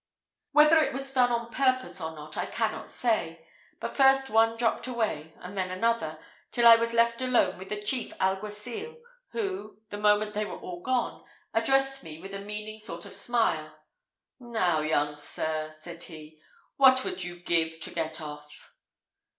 Whether it was done on purpose, or not, I cannot say; but first one dropped away, and then another, till I was left alone with the chief alguacil, who, the moment they were all gone, addressed me with a meaning sort of smile "Now, young sir," said he, "what would you give to get off?"